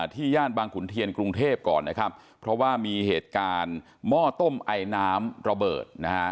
ย่านบางขุนเทียนกรุงเทพก่อนนะครับเพราะว่ามีเหตุการณ์หม้อต้มไอน้ำระเบิดนะฮะ